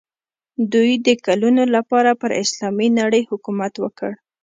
دوی د کلونو لپاره پر اسلامي نړۍ حکومت وکړ.